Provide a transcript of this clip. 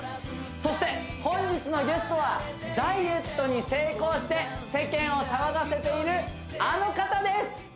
そして本日のゲストはダイエットに成功して世間を騒がせているあの方です！